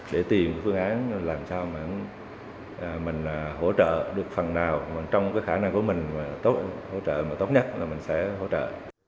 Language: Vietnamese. để tìm phương án làm sao mình hỗ trợ được phần nào trong khả năng của mình tốt nhất là mình sẽ hỗ trợ